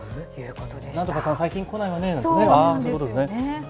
何とかさん、最近来ないわねなんてね。